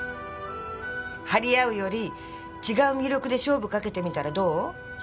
張り合うより違う魅力で勝負かけてみたらどう？